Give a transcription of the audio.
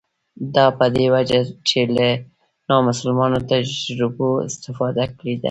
دا په دې وجه چې له نامسلمانو تجربو استفاده کړې ده.